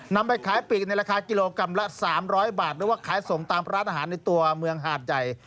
นำไปขายปีกในราคากิโลกรัมละ๓๐๐บาทหรือว่าขายส่งตามร้านอาหารในตัวเมืองหาดใหญ่